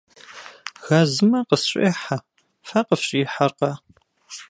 Газымэ къысщӏехьэ, фэ къыфщӏихьэркъэ?